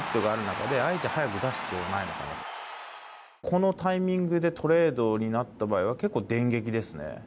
このタイミングでトレードになった場合は結構、電撃ですね。